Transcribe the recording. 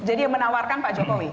jadi menawarkan pak jokowi